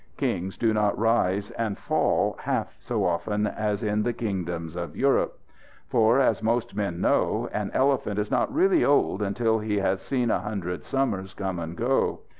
Kings do not rise and fall half so often as in the kingdoms of Europe. For, as most men know, an elephant is not really old until he has seen a hundred summers come and go.